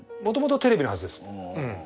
もともとテレビのはずです。